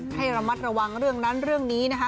ให้ระมัดระวังเรื่องนั้นเรื่องนี้นะคะ